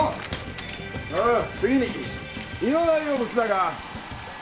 あ次に胃の内容物だが。